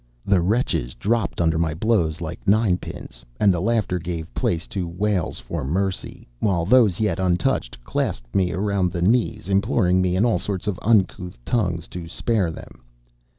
The wretches dropped under my blows like nine pins, and the laughter gave place to wails for mercy; while those yet untouched clasped me round the knees, imploring me in all sorts of uncouth tongues to spare them.